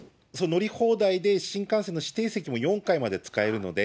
乗り放題で新幹線の指定席も４回まで使えるので、